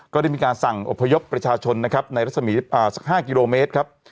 ก็ได้มีการสั่งอพยพประชาชนนะครับในรัศมีสัก๕กิโลเมตรครับ